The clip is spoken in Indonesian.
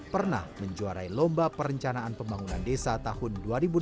pernah menjuarai lomba perencanaan pembangunan desa tahun dua ribu enam belas